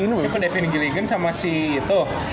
si pendevin gilligan sama si itu